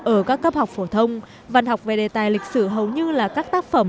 ở các cấp học phổ thông văn học về đề tài lịch sử hầu như là các tác phẩm